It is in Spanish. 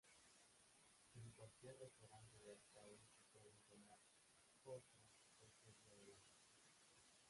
En cualquier restaurante de Arcade se pueden tomar ostras cualquier día del año.